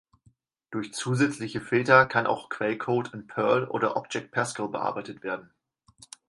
Durch zusätzliche Filter kann auch Quellcode in Perl oder Object Pascal bearbeitet werden.